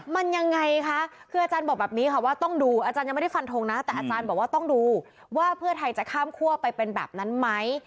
มันยังไงคะคืออาจารย์บอกแบบนี้ค่ะว่าต้องดูอาจารย์ยังไม่ได้ฟันทงนะแต่อาจารย์บอกว่าต้องดูว่าเพื่อไทยจะข้ามคั่วไปเป็นแบบนั้นไหม